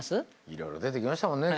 いろいろ出てきましたもんね